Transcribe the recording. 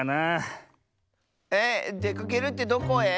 ええっ？でかけるってどこへ？